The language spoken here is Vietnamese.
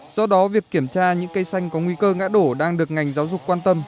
do đó việc kiểm tra những cây xanh có nguy cơ ngã đổ đang được ngành giáo dục quan tâm